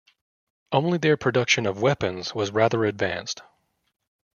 Only their production of weapons was rather advanced.